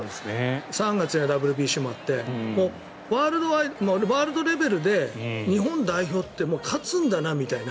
３月はＷＢＣもあってもうワールドレベルで日本代表ってもう勝つんだなみたいな。